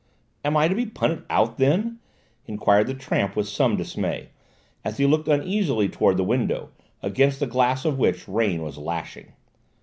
"Am I to be punted out then?" enquired the tramp with some dismay, as he looked uneasily towards the window, against the glass of which rain was lashing.